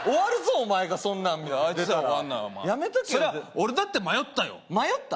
俺だって迷ったよ迷った？